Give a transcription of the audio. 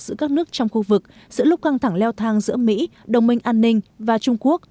giữa các nước trong khu vực giữa lúc căng thẳng leo thang giữa mỹ đồng minh an ninh và trung quốc